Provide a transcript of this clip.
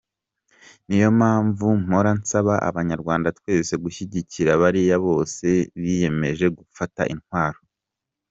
Niyo mpamvu mpora nsaba abanyarwanda twese gushyigikira bariya bose biyemeje gufata intwaro.